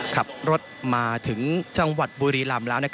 ขับรถมาถึงจังหวัดบุรีลำแล้ว